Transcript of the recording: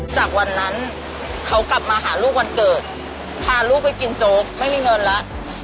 จากวันนั้นเขากลับมาหาลูกวันเกิดพาลูกไปกินโจ๊กไม่มีเงินแล้ว